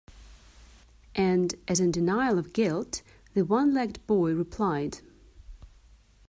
And as in denial of guilt, the one-legged boy replied.